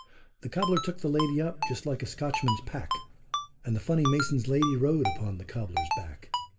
The cobler took the lady up just like a Scotchman's pack, and the funny mason's lady rode upon the cobler's back.